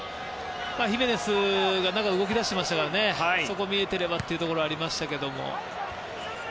ヒメネスが中で動き出していましたからそこが見えてればっていうところもありましたけども。